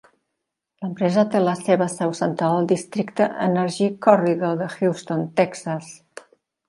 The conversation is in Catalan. L'empresa té la seva seu central al districte Energy Corridor de Houston, Texas.